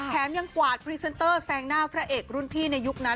แถมยังกวาดพรีเซนเตอร์แซงหน้าพระเอกรุ่นพี่ในยุคนั้น